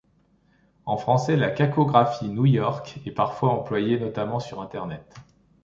En français, la cacographie Nouillorque est parfois employée, notamment sur Internet.